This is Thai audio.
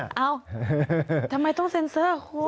เอ้าทำไมต้องเซ็นเซอร์คุณ